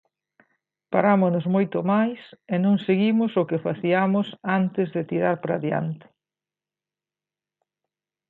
Parámonos moito máis e non seguimos o que faciamos antes de tirar para adiante.